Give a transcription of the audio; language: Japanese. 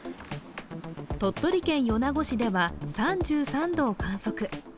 鳥取県米子市では３３度を観測。